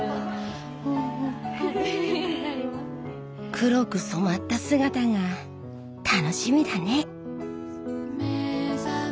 黒く染まった姿が楽しみだね。